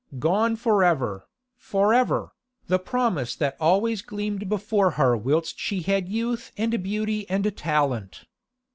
Gone for ever, for ever, the promise that always gleamed before her whilst she had youth and beauty and talent.